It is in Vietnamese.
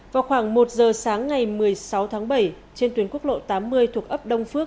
vào khoảng một giờ sáng ngày một mươi sáu tháng bảy trên tuyến quốc lộ tám mươi thuộc ấp đông phước